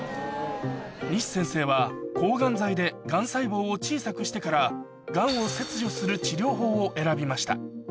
西先生は抗がん剤でがん細胞を小さくしてからがんを切除する治療法を選びました